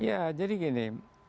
ya jadi gini